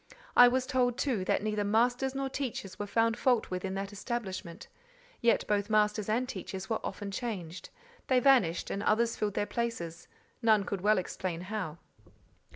I was told, too, that neither masters nor teachers were found fault with in that establishment; yet both masters and teachers were often changed: they vanished and others filled their places, none could well explain how.